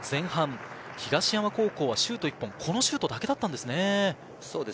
前半、東山高校はシュート１本、このシュートだけだったんですね。